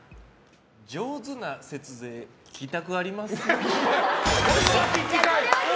上手な節税聞きたくありません？